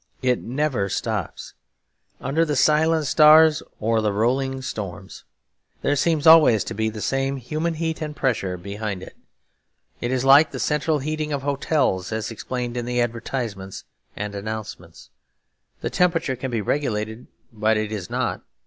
It never stops, under the silent stars or the rolling storms. There seems always to be the same human heat and pressure behind it; it is like the central heating of hotels as explained in the advertisements and announcements. The temperature can be regulated; but it is not.